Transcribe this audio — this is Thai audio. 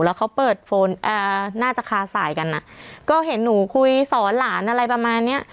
แล้วเขาเปิดโฟนน่าจะคาสายกันอ่ะก็เห็นหนูคุยสอนหลานอะไรประมาณเนี้ย